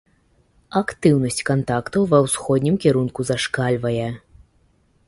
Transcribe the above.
Актыўнасць кантактаў ва ўсходнім кірунку зашкальвае.